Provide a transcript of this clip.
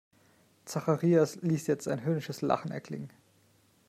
Zacharias ließ jetzt ein höhnisches Lachen erklingen.